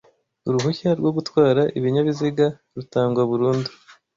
Uruhushya rwo gutwara ibinyabiziga rutangwa burundu